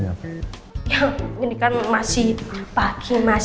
ya ini kan masih pagi mas